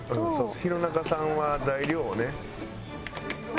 弘中さんは材料をね。